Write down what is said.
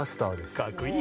かっこいい！